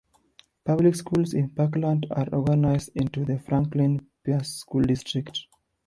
Public schools in Parkland are organized into the Franklin Pierce School District.